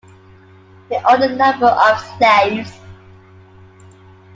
He owned a number of slaves.